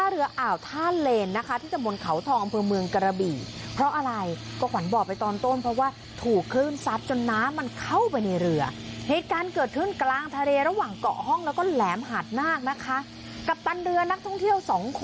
เรือแสวท่านเฬญ